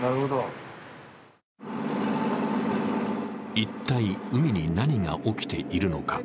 一体、海に何が起きているのか？